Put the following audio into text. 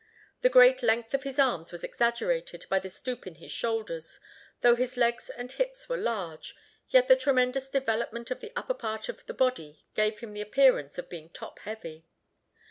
The great length of his arms was exaggerated by the stoop in his shoulders: though his legs and hips were large, yet the tremendous development of the upper part of the body gave him the appearance of being top heavy.